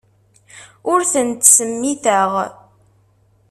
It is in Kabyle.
Ur ten-ttsemmiteɣ.